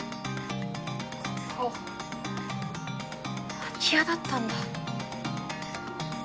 ここ空き家だったんだ。